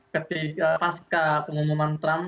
ketika pasca pengumuman trump